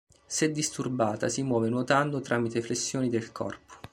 Se disturbata si muove nuotando tramite flessioni del corpo.